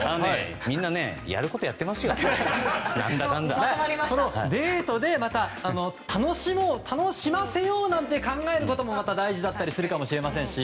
みんなやることやってますよデートで楽しませようって考えることも大事だったりするかもしれませんし。